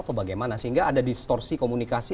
atau bagaimana sehingga ada distorsi komunikasi